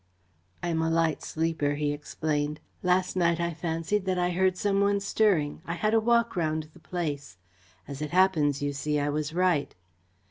"I am a light sleeper," he explained. "Last night I fancied that I heard some one stirring. I had a walk round the place. As it happens, you see, I was right."